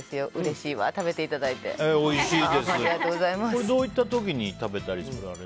これ、どういった時に食べたりされるんですか？